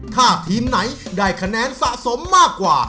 ถ้าทีมไหนได้คะแนนสะสมมากกว่า